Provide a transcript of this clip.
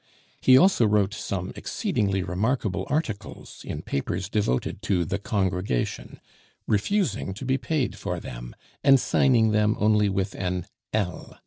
He also wrote some exceedingly remarkable articles in papers devoted to the "Congregation," refusing to be paid for them, and signing them only with an "L."